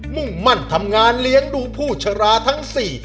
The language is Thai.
มุ่งมั่นทำงานเลี้ยงดูผู้ชราทั้งสี่